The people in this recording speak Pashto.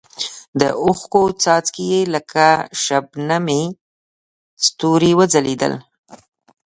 د اوښکو څاڅکي یې لکه شبنمي ستوري وځلېدل.